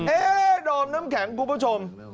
ดอมน้ำแข็งคุณผู้ชม